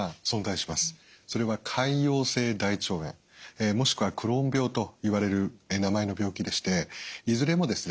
それは潰瘍性大腸炎もしくはクローン病といわれる名前の病気でしていずれもですね